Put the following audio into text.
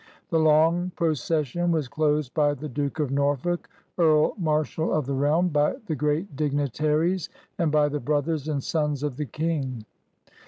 The long procession was closed by the Duke of Norfolk, Earl Marshal of the realm, by the great dignitaries, and by the brothers and sons of the King.